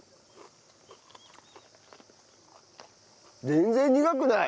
全然苦くない。